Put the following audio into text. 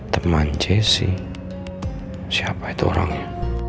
teman jessi siapa itu orangnya